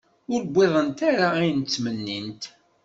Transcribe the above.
Ur wwiḍent ara ayen i ttmennint.